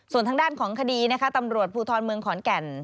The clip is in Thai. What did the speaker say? ส่วนทางด้านของคดีนะคะตำรวจภูทรเมืองขอนแก่น